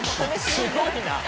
すごいなぁ。